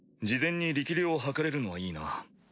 事前に力量を測れるのはいいな。